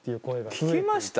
聞きました？